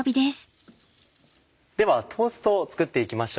ではトーストを作って行きましょう。